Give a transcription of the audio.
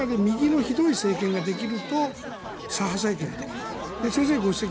その中で右のひどい政権ができると左派政権ができる。